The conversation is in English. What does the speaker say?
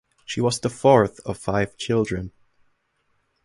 She was the fourth of five children.